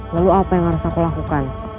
lalu apa yang harus aku lakukan